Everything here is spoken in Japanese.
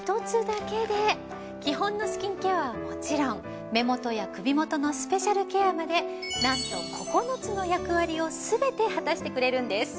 基本のスキンケアはもちろん目元や首元のスペシャルケアまでなんと９つの役割をすべて果たしてくれるんです。